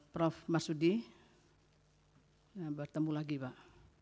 prof masudi bertemu lagi pak